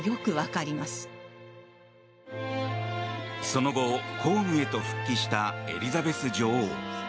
その後、公務へと復帰したエリザベス女王。